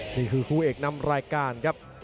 นี่คือคู่เอกนำรายการครับ